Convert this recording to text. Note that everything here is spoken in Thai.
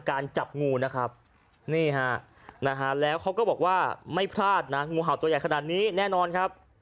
จับงูนะครับนี่ฮะนะฮะแล้วเขาก็บอกว่าไม่พลาดนะงูเห่าตัวใหญ่ขนาดนี้แน่นอนครับ